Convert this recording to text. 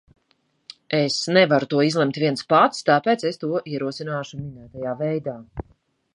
Es nevaru to izlemt viens pats, tāpēc es to ierosināšu minētajā veidā.